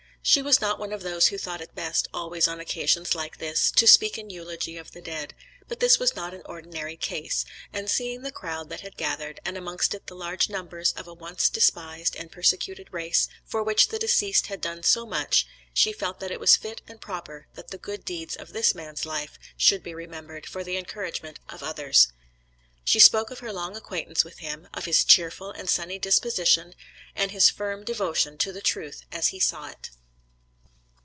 She was not one of those who thought it best always on occasions like this, to speak in eulogy of the dead, but this was not an ordinary case, and seeing the crowd that had gathered, and amongst it the large numbers of a once despised and persecuted race, for which the deceased had done so much, she felt that it was fit and proper that the good deeds of this man's life should be remembered, for the encouragement of others. She spoke of her long acquaintance with him, of his cheerful and sunny disposition, and his firm devotion to the truth as he saw it.